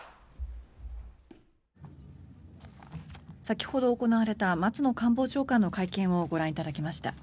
先ほど行われた松野官房長官の会見をご覧いただきました。